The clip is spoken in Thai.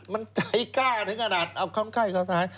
มันใจกล้าถึงขนาดเอาคนตายเข้าค่ายทหาร